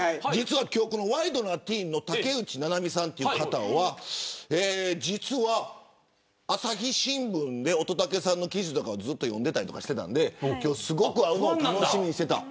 今日ワイドナティーンの竹内ななみさんという方は実は朝日新聞で乙武さんの記事を読んでいたりしたのですごく楽しみにしていた。